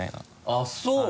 あぁそう？